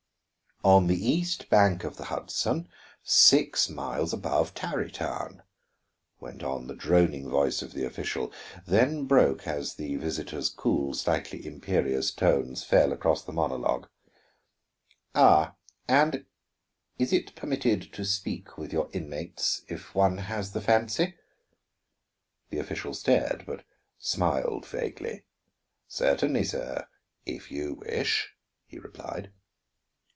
"On the east bank of the Hudson, six miles above Tarrytown," went on the droning voice of the official, then broke as the visitor's cool, slightly imperious tones fell across the monologue: "Ah, and is it permitted to speak with your inmates, if one has the fancy?" The official stared, but smiled vaguely. "Certainly, sir; if you wish," he replied.